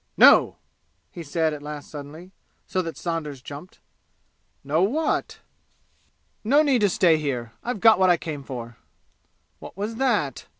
"No!" he said at last suddenly so that Saunders jumped. "No what?" "No need to stay here. I've got what I came for!" "What was that?"